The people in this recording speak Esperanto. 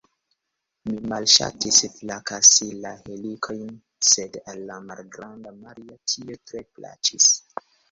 Mi malŝatis frakasi la helikojn, sed al la malgranda Maria tio tre plaĉis.